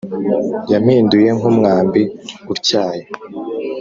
Yampinduye nk umwambi utyaye